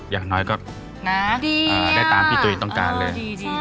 อย่างน้อยก็ได้ตามพี่ตุ๋ยต้องการเลย